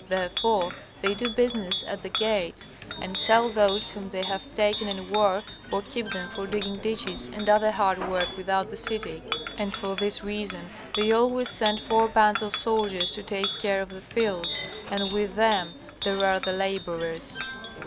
Therefore they do business at the gates, and sell those whom they have taken in war or keep them for digging ditches and other hard work without the city, and for this reason they always send four bands of soldiers to take care of the fields, and with them there are the laborers.